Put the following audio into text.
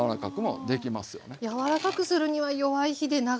柔らかくするには弱い火で長く。